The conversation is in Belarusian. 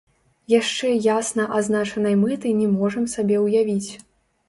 Яшчэ ясна азначанай мэты не можам сабе ўявіць.